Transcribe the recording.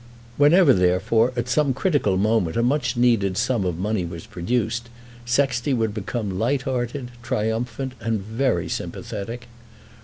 Whenever, therefore, at some critical moment, a much needed sum of money was produced, Sexty would become light hearted, triumphant, and very sympathetic.